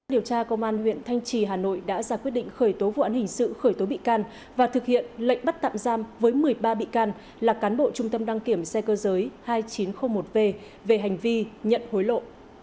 điều tra công an huyện thanh trì hà nội đã ra quyết định khởi tố vụ án hình sự khởi tố bị can và thực hiện lệnh bắt tạm giam với một mươi ba bị can là cán bộ trung tâm đăng kiểm xe cơ giới hai nghìn chín trăm linh một v về hành vi nhận hối lộ